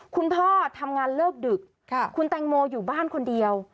คุณพ่อทำงานเลิกดึกคุณแตงโมอยู่บ้านคนเดียว